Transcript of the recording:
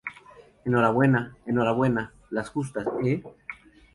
enhorabuena. enhorabuena las justas, ¿ eh?